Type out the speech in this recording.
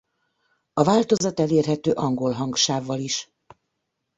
A változat elérhető angol hangsávval is.